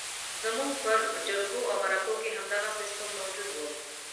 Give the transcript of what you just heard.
زموږ پر جرګو او مرکو کې همدغه سیستم موجود وو.